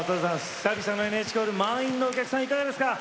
久々のＮＨＫホール満員のお客さんいかがですか？